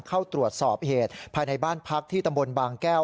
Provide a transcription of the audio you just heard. เข้าตรวจสอบเหตุภายในบ้านพักที่ตำบลบางแก้ว